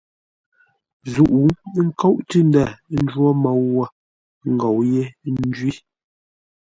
Zûʼ, ə́ nkóʼ tʉ́ ndə̂ ńjwó môu wə̂, ə́ ngou yé ńjwí.